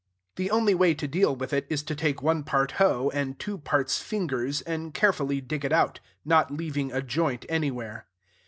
The only way to deal with it is to take one part hoe and two parts fingers, and carefully dig it out, not leaving a joint anywhere.